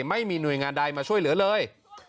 ไม่มีหน่วยงานใดมาช่วยเหลือเลย